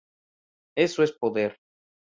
Eso es poder.